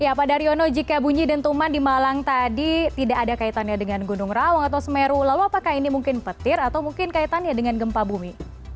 ya pak daryono jika bunyi dentuman di malang tadi tidak ada kaitannya dengan gunung raung atau semeru lalu apakah ini mungkin petir atau mungkin kaitannya dengan gempa bumi